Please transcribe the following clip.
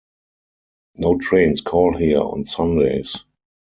No trains call here on Sundays.